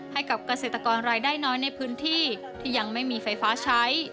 ให้กับเกษตรกรรายได้น้อยในพื้นที่ที่ยังไม่มีไฟฟ้าใช้